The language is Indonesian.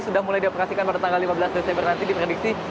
sudah mulai dioperasikan pada tanggal lima belas desember nanti diprediksi